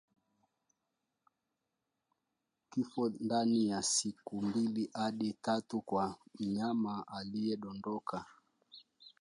Kifo ndani ya siku mbili hadi tatu kwa mnyama aliyedondoka